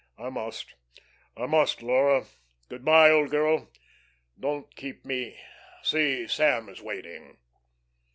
"I must, I must, Laura. Good by, old girl. Don't keep me see, Sam is waiting."